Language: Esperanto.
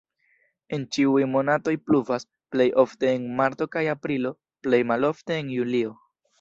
En ĉiuj monatoj pluvas, plej ofte en marto kaj aprilo, plej malofte en julio.